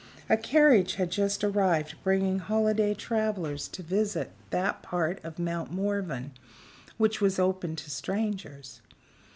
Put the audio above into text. A carriage had just arrived bringing holiday travelers to visit that part of Mount Morven which was open to strangers.